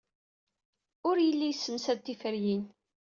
Ur yelli yessemsad tiferyin.